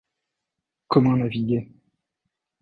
Comment naviguer?